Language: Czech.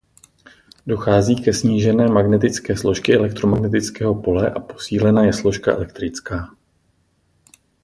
Dochází ke snížení magnetické složky elektromagnetického pole a posílena je složka elektrická.